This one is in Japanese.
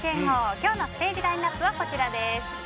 今日のステージラインアップはこちらです。